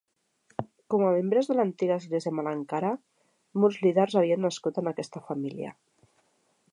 Com a membres de l"antiga església Malankara, molts líders havien nascut en aquesta família.